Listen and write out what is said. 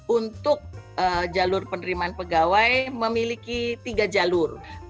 untuk jalur penerimaan pegawai memiliki tiga jalur